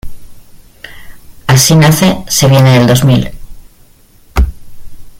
Así nace "Se viene el dos mil".